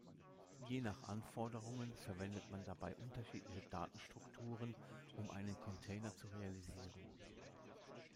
Je nach Anforderungen verwendet man dabei unterschiedliche Datenstrukturen, um einen Container zu realisieren.